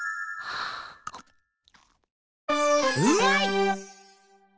うまい！